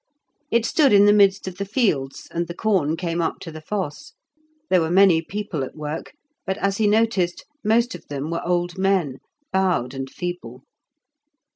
It stood in the midst of the fields, and the corn came up to the fosse; there were many people at work, but, as he noticed, most of them were old men, bowed and feeble.